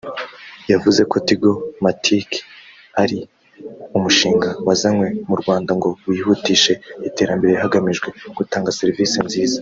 yavuze ko Tigo-Matic ari umushinga wazanywe mu Rwanda ngo wihutishe iterambere hagamijwe gutanga servisi nziza